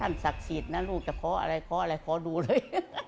ศักดิ์สิทธิ์นะลูกจะขออะไรขออะไรขอดูเลย